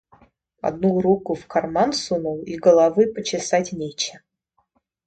Одну руку в карман сунул, и головы почесать нечем.